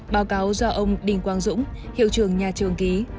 báo cáo do ông đình quang dũng hiệu trưởng nhà trường ký